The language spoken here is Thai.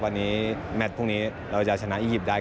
วันนี้แมทพรุ่งนี้เราจะชนะอียิปต์ได้